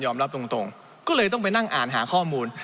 รับตรงก็เลยต้องไปนั่งอ่านหาข้อมูล